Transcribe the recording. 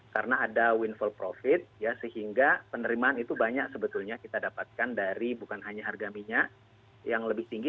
karena ada windfall profit ya sehingga penerimaan itu banyak sebetulnya kita dapatkan dari bukan hanya harga minyak yang lebih tinggi